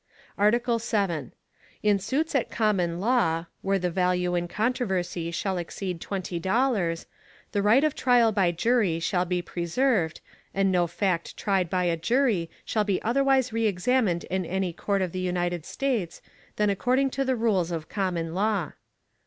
ARTICLE VII. In Suits at common law, where the value in controversy shall exceed twenty dollars, the right of trial by jury shall be preserved, and no fact tried by a jury shall be otherwise re examined in any Court of the United States, than according to the rules of the common law.